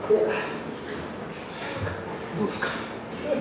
どうですか？